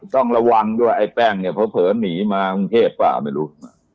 ต้องระวังด้วยไอ้แป้งเนี่ยเผลอหนีมากรุงเทพเปล่าไม่รู้